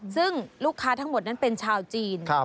ซึ่งลูกค้าทั้งหมดนั้นเป็นชาวจีน